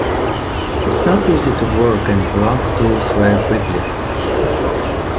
It is not easy to work and blunts tools very quickly.